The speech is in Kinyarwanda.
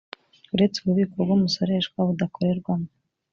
uretse ububiko bw umusoreshwa budakorerwamo